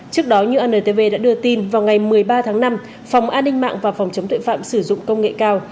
trước đó như antv đã đưa tin vào ngày một mươi ba tháng năm phòng an ninh mạng và phòng chống tội phạm sử dụng công nghệ cao